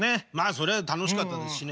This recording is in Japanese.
そりゃ楽しかったですしね。